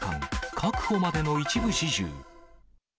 確保までの一部始終。